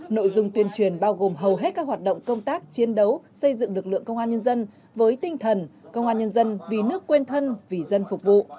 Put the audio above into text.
nội dung tuyên truyền bao gồm hầu hết các hoạt động công tác chiến đấu xây dựng lực lượng công an nhân dân với tinh thần công an nhân dân vì nước quên thân vì dân phục vụ